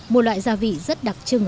một loại gia vị rất đặc trưng